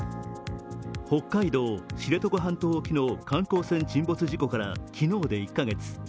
北海道・知床半島沖の観光船沈没事故から昨日で１カ月。